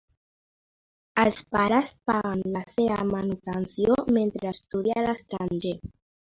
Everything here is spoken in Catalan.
Els pares paguen la seva manutenció mentre estudia a l'estranger.